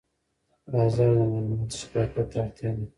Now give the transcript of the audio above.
بازار د معلوماتو شفافیت ته اړتیا لري.